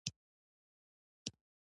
مس د افغانستان د امنیت په اړه هم اغېز لري.